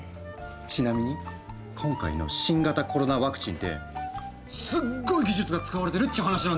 ちなみに今回の新型コロナワクチンってすっごい技術が使われてるっちゅう話なんですよ！